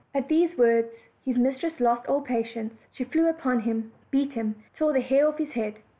At these words his mistress lost all patience; she flew npon him, beat him, and tore the hair off his head.